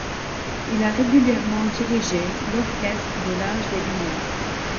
Il a régulièrement dirigé l'Orchestre de l'âge des Lumières.